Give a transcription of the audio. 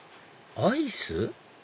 アイス？